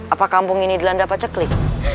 apa kampung ini dilanda apa ceklik